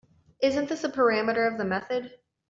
Isn’t this a parameter of the method?